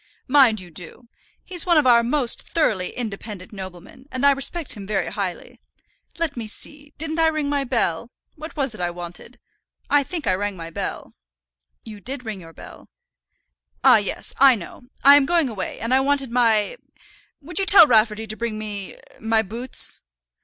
"Mind you do. He's one of our most thoroughly independent noblemen, and I respect him very highly. Let me see; didn't I ring my bell? What was it I wanted? I think I rang my bell." "You did ring your bell." "Ah, yes; I know. I am going away, and I wanted my would you tell Rafferty to bring me my boots?"